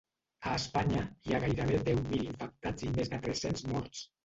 A Espanya hi ha gairebé deu mil infectats i més de tres-cents morts.